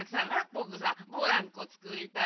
ぼくさブランコつくりたい。